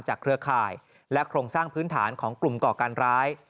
เครือข่ายและโครงสร้างพื้นฐานของกลุ่มก่อการร้าย